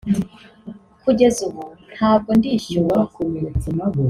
kugeza ubu ntabwo ndishyurwa